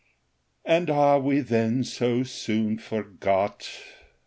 " And are we then so soon forgot